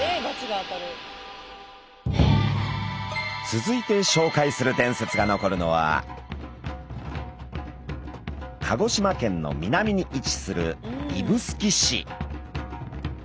続いてしょうかいする伝説が残るのは鹿児島県の南に位置する指宿市。